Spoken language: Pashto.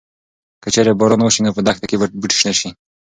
که چېرې باران وشي نو په دښته کې به بوټي شنه شي.